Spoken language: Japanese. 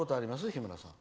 日村さん。